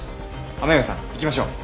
雨宮さん行きましょう。